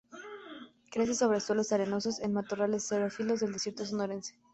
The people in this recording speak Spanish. Crece sobre suelos arenosos en matorrales xerófilos del desierto sonorense.